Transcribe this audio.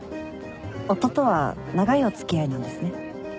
夫とは長いお付き合いなんですね。